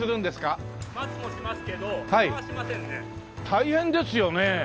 大変ですよね！